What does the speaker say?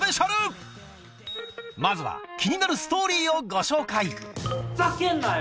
まずは気になるストーリーをご紹介ふざけんなよ！